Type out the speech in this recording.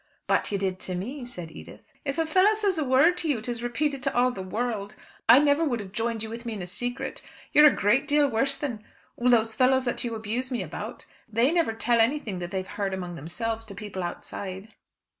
"But you did to me," said Edith. "If a fellow says a word to you, it is repeated to all the world. I never would have you joined with me in a secret. You are a great deal worse than , well, those fellows that you abuse me about. They never tell anything that they have heard among themselves, to people outside."